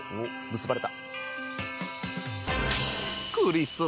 結ばれた。